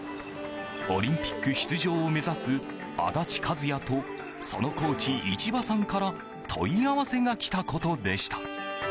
オリンピック出場を目指す足立和也とそのコーチ、市場さんから問い合わせが来たことでした。